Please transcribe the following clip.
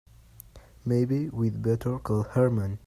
Maybe we'd better call Herman.